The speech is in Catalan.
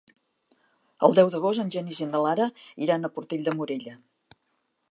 El deu d'agost en Genís i na Lara iran a Portell de Morella.